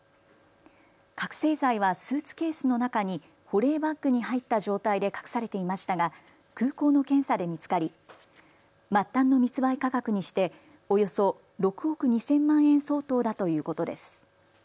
覚醒剤はスーツケースの中に保冷バッグに入った状態で隠されていましたが空港の検査で見つかり末端の密売価格にしておよそ６億２０００万円相当だということです。